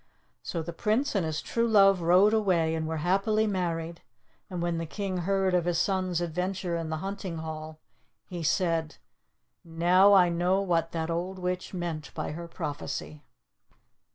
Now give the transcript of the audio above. So the Prince and his true love rode away, and were happily married, and when the king heard of his son's adventure in the hunting hall he said, "Now I know what that old witch meant by her prophecy."